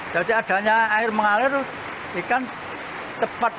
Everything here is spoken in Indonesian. jadi adanya air mengalir ikan cepat